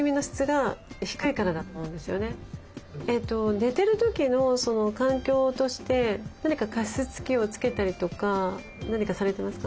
寝てる時の環境として何か加湿器をつけたりとか何かされてますか？